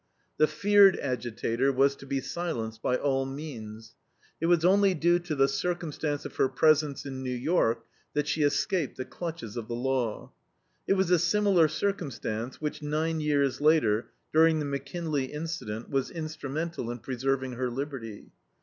The feared agitator was to be silenced by all means. It was only due to the circumstance of her presence in New York that she escaped the clutches of the law. It was a similar circumstance which, nine years later, during the McKinley incident, was instrumental in preserving her liberty.